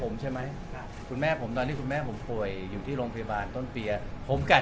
และคุณพ่อคุณแม่ฝ่ายถึงคอบครัวที่ปบอุ่นมาก